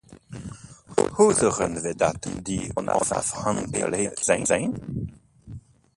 Hoe zorgen we dat die onafhankelijk zijn?